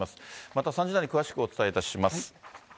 また３時台に詳しくお伝えいたします。